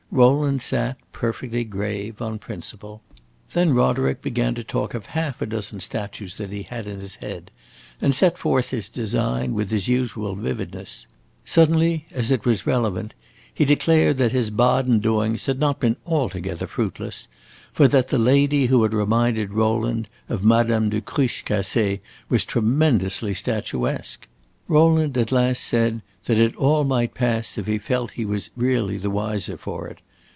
Rowland sat perfectly grave, on principle. Then Roderick began to talk of half a dozen statues that he had in his head, and set forth his design, with his usual vividness. Suddenly, as it was relevant, he declared that his Baden doings had not been altogether fruitless, for that the lady who had reminded Rowland of Madame de Cruchecassee was tremendously statuesque. Rowland at last said that it all might pass if he felt that he was really the wiser for it.